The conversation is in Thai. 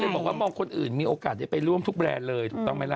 บอกว่ามองคนอื่นมีโอกาสได้ไปร่วมทุกแบรนด์เลยถูกต้องไหมล่ะ